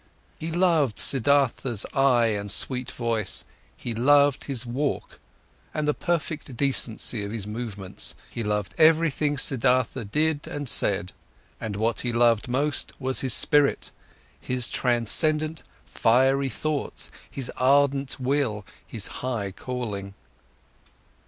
He loved Siddhartha's eye and sweet voice, he loved his walk and the perfect decency of his movements, he loved everything Siddhartha did and said and what he loved most was his spirit, his transcendent, fiery thoughts, his ardent will, his high calling.